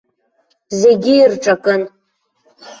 Зегьы ирҿакын.